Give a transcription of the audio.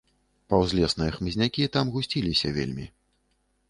Паўзлесныя хмызнякі там гусціліся вельмі.